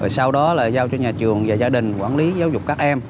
sau đó là giao cho nhà trường và gia đình quản lý giáo dục các em